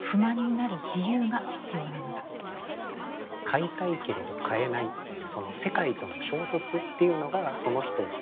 買いたいけれど買えないっていうその世界との衝突っていうのがその人をつくる。